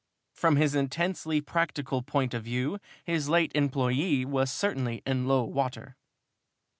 From his intensely practical point of view, his late employee was certainly in low water.